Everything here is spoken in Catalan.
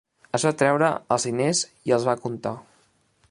Es va treure els diners i els va contar.